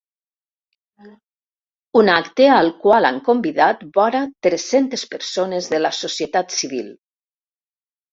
Un acte al qual han convidat vora tres-centes persones de la societat civil.